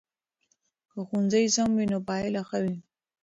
که ښوونځی سم وي نو پایله ښه وي.